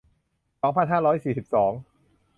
สองพันห้าร้อยสี่สิบสอง